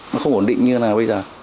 nó không ổn định như thế nào bây giờ